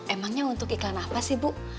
emangnya untuk iklan apa sih bu